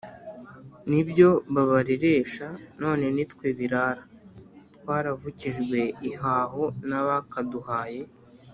N’ibyo babareresha None nitwe birara Twaravukijwe ihaho N’abakaduhaye